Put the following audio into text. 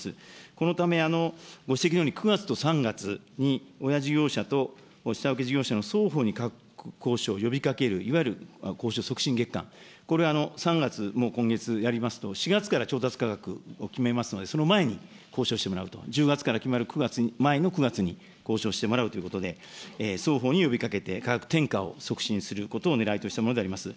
このため、ご指摘のように、９月と３月に親事業者と下請け事業者の双方に交渉を呼びかける、いわゆる交渉促進月間、これ、３月も今月やりますと、４月から調達価格を決めますので、その前に交渉してもらうと、１０月から決まる前の９月に交渉してもらうということで、双方に呼びかけて、価格転嫁を促進することをねらいとしたものであります。